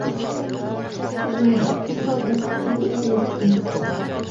Улайһа, ҡуҙғалдыҡ, юл алыҫ ҡына.